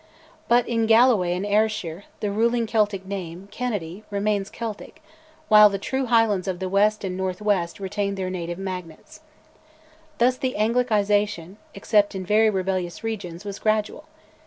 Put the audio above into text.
But in Galloway and Ayrshire the ruling Celtic name, Kennedy, remains Celtic, while the true Highlands of the west and northwest retained their native magnates. Thus the Anglicisation, except in very rebellious regions, was gradual.